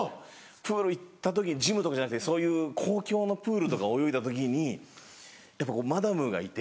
プール行った時ジムとかじゃなくてそういう公共のプールとか泳いだ時にやっぱこうマダムがいて。